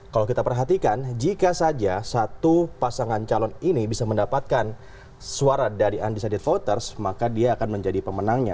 kalau kita perhatikan jika saja satu pasangan calon ini bisa mendapatkan suara dari undecided voters maka dia akan menjadi pemenangnya